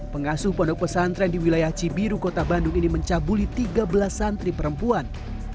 pengasuh pondok pesantren di wilayah cibiru kota bandung ini mencabuli tiga belas santri perempuan